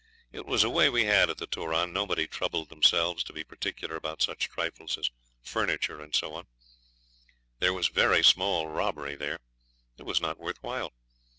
It was a way we had at the Turon; no one troubled themselves to be particular about such trifles as furniture and so on. There was very little small robbery there; it was not worth while.